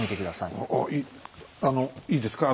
いいですか？